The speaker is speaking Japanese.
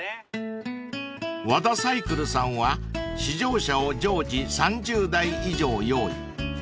［和田サイクルさんは試乗車を常時３０台以上用意］